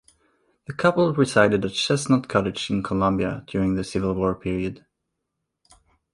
The couple resided at Chesnut Cottage in Columbia during the Civil War period.